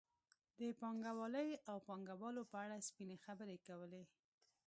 د پانګوالۍ او پانګوالو په اړه سپینې خبرې کولې.